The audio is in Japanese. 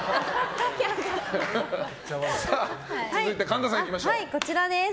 続いて神田さんいきましょう。